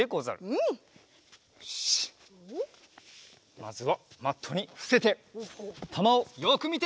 まずはマットにふせてたまをよくみて。